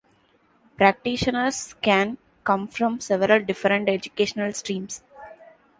Practitioners can come from several different educational streams.